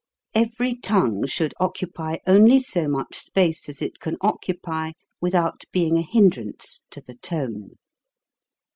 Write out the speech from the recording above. Every tongue should occupy only so much space as it can occupy without being a hindrance to the tone.